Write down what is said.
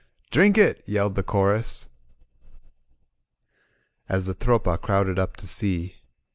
"Drink it," yelled the chorus as the Tropa crowded up to see.